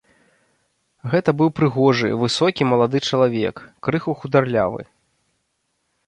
Гэта быў прыгожы, высокі малады чалавек, крыху хударлявы.